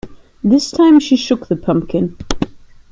This time she shook the pumpkin.